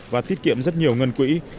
và tiết kiệm rất nhiều ngân quỹ